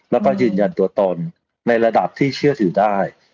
แล้วก็ยืนยันตัวตนในระดับที่เชื่อถือได้